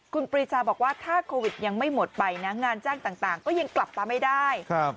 คุณปรีชาบอกว่าถ้าโควิดยังไม่หมดไปนะงานจ้างต่างก็ยังกลับมาไม่ได้